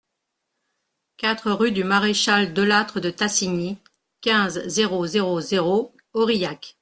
quatre rue du Maréchal De Lattre De Tassigny, quinze, zéro zéro zéro, Aurillac